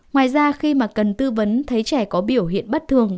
ngoài ra khi mà cần tư vấn thấy trẻ có biểu hiện bất thường